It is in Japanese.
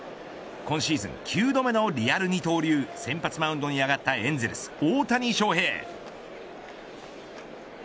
今シーズン９度目のリアル二刀流先発マウンドに上がったエンゼルス大谷翔平。